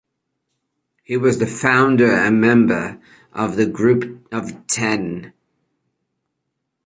He was the founder and member of "The group of ten".